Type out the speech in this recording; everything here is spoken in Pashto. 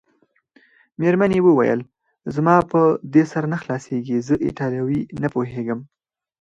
مېرمنې وویل: زما په دې سر نه خلاصیږي، زه ایټالوي نه پوهېږم.